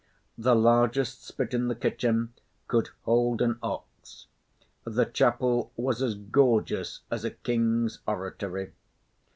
The largest spit in the kitchen could hold an ox; the chapel was as gorgeous as a king's oratory.